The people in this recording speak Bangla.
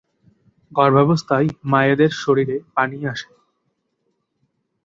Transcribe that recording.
গর্ভাবস্থায় মায়েদের শরীরে পানি আসে।